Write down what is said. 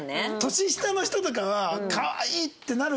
年下の人とかは「かわいい！」ってなるか。